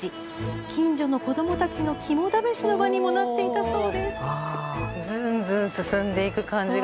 近所の子どもたちの肝試しの場にもなっていたそう。